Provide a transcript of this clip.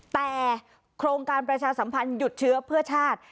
แต่โครงการประชาสัมพันธ์หยุดเชื้อเพื่อชาติ